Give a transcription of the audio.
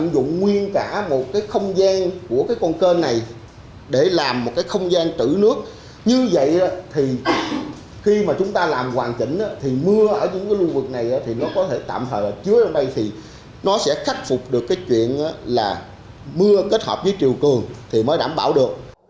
để làm một cái không gian trữ nước như vậy thì khi mà chúng ta làm hoàn chỉnh thì mưa ở những cái lưu vực này thì nó có thể tạm thời là chứa ra đây thì nó sẽ khắc phục được cái chuyện là mưa kết hợp với triều cường thì mới đảm bảo được